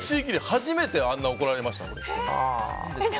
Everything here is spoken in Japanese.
初めてあんな怒られました。